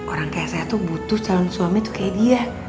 orang kayak saya tuh butuh calon suami tuh kayak dia